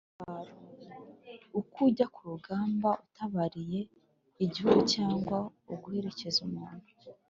itabaro: ukujya ku rugamba utabariye igihugu cyangwa uguherekeza umuntu